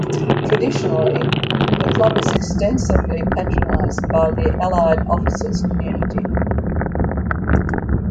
Traditionally, the Club is extensively patronized by the allied officers community.